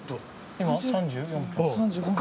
今３４分。